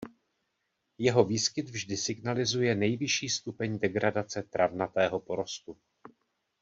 Jeho výskyt vždy signalizuje nejvyšší stupeň degradace travnatého porostu.